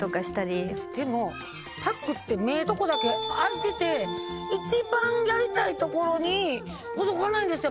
でもパックって目のとこだけ開いてて一番やりたい所に届かないんですよ。